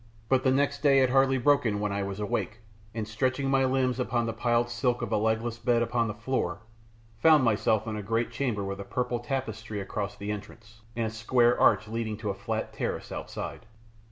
But the next day had hardly broken when I was awake, and, stretching my limbs upon the piled silk of a legless bed upon the floor, found myself in a great chamber with a purple tapestry across the entrance, and a square arch leading to a flat terrace outside.